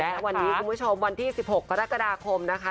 และวันนี้คุณผู้ชมวันที่๑๖กรกฎาคมนะคะ